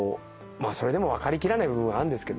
それでも分かり切らない部分はあるんですけどね。